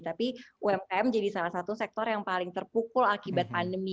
tapi umkm jadi salah satu sektor yang paling terpukul akibat pandemi